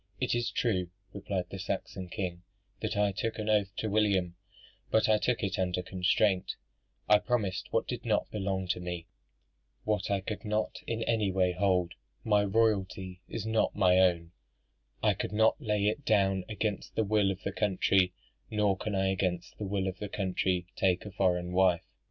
"It is true," replied the Saxon king, "that I took an oath to William; but I took it under constraint: I promised what did not belong to me what I could not in any way hold: my royalty is not my own; I could not lay it down against the will of the country, nor can I against the will of the country take a foreign wife.